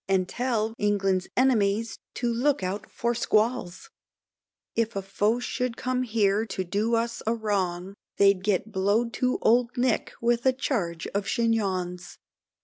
And tell enemies to look out for squalls, If a foe should come here to do us a wrong, They'd get blow'd to old Nick with a charge of chignons.